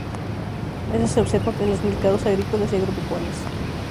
Eso se observa en los mercados agrícolas y agropecuarios.